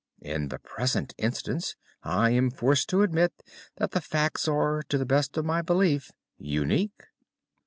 In the present instance I am forced to admit that the facts are, to the best of my belief, unique."